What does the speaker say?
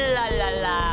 lah lah lah